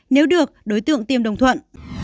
nếu được đối tượng tiêm đồng thuận